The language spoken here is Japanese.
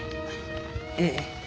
ええ。